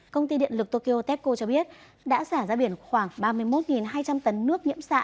công ty điện lực tokyo tepco cho biết đã xả ra biển khoảng ba mươi một hai trăm linh tấn nước nhiễm xạ